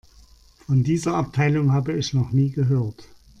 Von dieser Abteilung habe ich noch nie gehört.